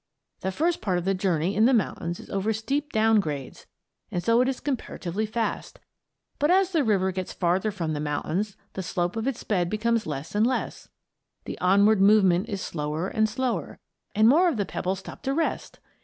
The first part of the journey in the mountains is over steep down grades, and so is comparatively fast, but as the river gets farther from the mountains, the slope of its bed becomes less and less, the onward movement is slower and slower, and more of the pebbles stop to rest.